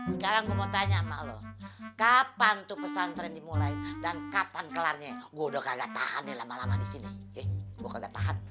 sekarang gue mau tanya sama lo kapan tuh pesantren dimulai dan kapan kelarnya gue udah kagak tahan ya lama lama di sini eh gue kagak tahan